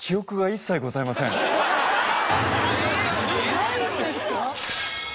ないんですか！？